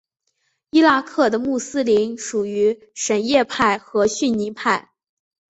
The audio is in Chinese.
伊拉克的穆斯林属于什叶派和逊尼派。